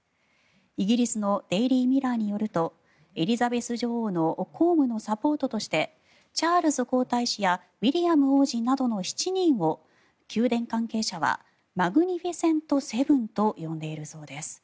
イギリスのデイリー・ミラーによるとエリザベス女王の公務のサポートとしてチャールズ皇太子やウィリアム王子などの７人を宮殿関係者はマグニフィセント・セブンと呼んでいるそうです。